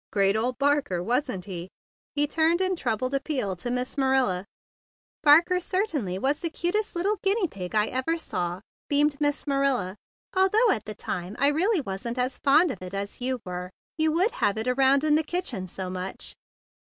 "Great old Barker, wasn't he?" He turned in troubled appeal to Miss Marilla. 56 THE BIG BLUE SOLDIER "Barker certainly was the cutest lit¬ tle guinea pig I ever saw," beamed Miss Marilla, "although at the time I really wasn't as fond of it as you were. You would have it around in the kitchen so much."